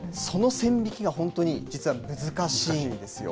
その線引きが本当に実は難しいんですよ。